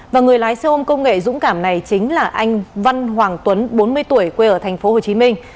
và người lái xe ôm công nghệ dũng cảm này chính là anh văn hoàng tuấn bốn mươi tuổi quê ở thành phố hồ chí minh